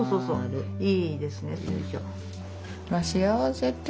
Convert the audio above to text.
いいですね。